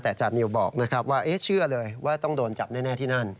แต่จานิวบอกนะครับว่าเชื่อเลยว่าต้องโดนจับแน่ที่นั่น